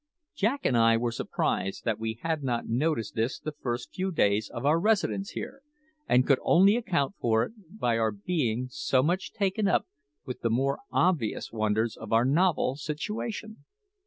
Jack and I were surprised that we had not noticed this the first few days of our residence here, and could only account for it by our being so much taken up with the more obvious wonders of our novel situation.